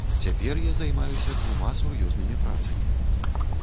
Цяпер я займаюся двума сур'ёзнымі працамі.